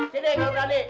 sini kalau tadi